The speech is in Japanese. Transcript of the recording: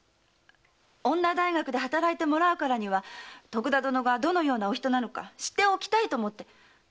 女大学で働いてもらうからには徳田殿がどのようなお人なのか知っておきたいと思って。